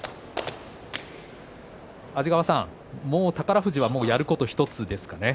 安治川さん、宝富士はやることは１つですかね。